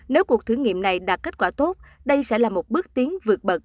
nếu cuộc thử nghiệm này đạt kết quả tốt đây sẽ là một bước tiến vượt bậc